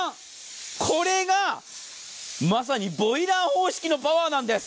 これが、まさにボイラー方式のパワーなんです。